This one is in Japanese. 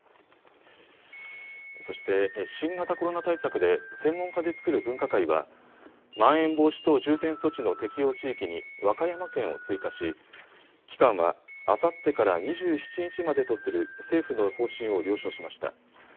そして新型コロナ対策で専門家で作る分科会はまん延防止等重点措置の適用地域に和歌山県を追加し、期間はあさってから２７日までとする政府の方針を了承しました。